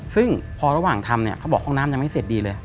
ซึ่งพอระหว่างทำเนี่ยเขาบอกห้องน้ำยังไม่เสร็จดีเลย